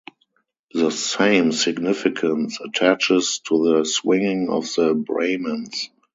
The same significance attaches to the swinging of the Brahmans.